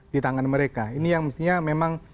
di tangan mereka ini yang mestinya memang